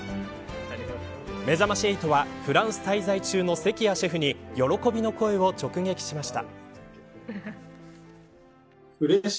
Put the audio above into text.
めざまし８は、フランス滞在中の関谷シェフに喜びの声を直撃しました。